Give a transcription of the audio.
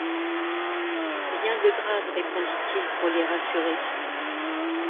Rien de grave, répondit-il pour les rassurer.